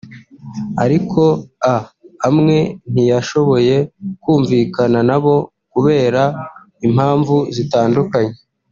ariko a amwe ntiyashoboye kumvikana nabo kubera impamvu zitandukanye